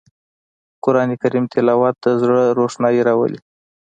قرآن کریم تلاوت د زړه روښنايي راولي